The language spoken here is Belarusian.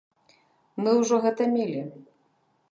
Мы ўжо гэта мелі.